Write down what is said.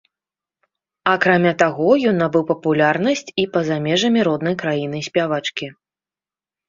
Акрамя таго, ён набыў папулярнасць і па-за межамі роднай краіны спявачкі.